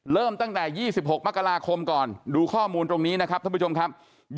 เริ่มตั้งแต่๒๖มกราคมก่อนดูข้อมูลตรงนี้นะครับท่านผู้ชมครับ